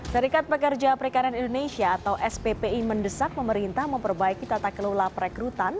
serikat pekerja perikanan indonesia atau sppi mendesak pemerintah memperbaiki tata kelola perekrutan